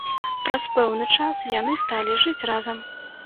Праз пэўны час яны сталі жыць разам.